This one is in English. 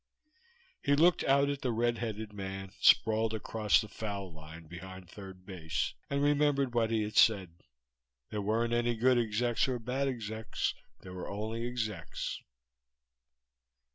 He looked out at the red headed man, sprawled across the foul line behind third base, and remembered what he had said. There weren't any good execs or bad execs. There were only execs.